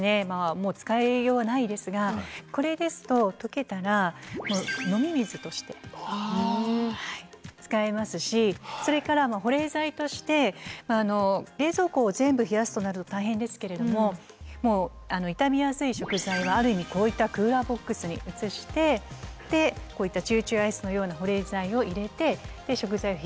もう使いようがないですがこれですと溶けたらもう飲み水として使えますしそれから保冷剤として冷蔵庫を全部冷やすとなると大変ですけれどももう傷みやすい食材はある意味こういったクーラーボックスに移してでこういったチューチューアイスのような保冷剤を入れて食材を冷やしてあげる。